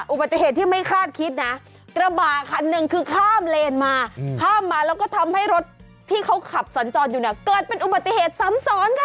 อุบัติเหตุที่ไม่คาดคิดนะกระบะคันหนึ่งคือข้ามเลนมาข้ามมาแล้วก็ทำให้รถที่เขาขับสัญจรอยู่เนี่ยเกิดเป็นอุบัติเหตุซ้ำซ้อนค่ะ